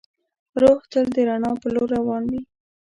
روح تل د رڼا په لور روان وي.